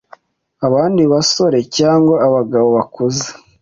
abandi basore cyangwa abagabo bakuze;